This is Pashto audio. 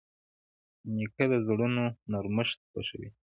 نیکه د زړونو نرمښت خوښوي.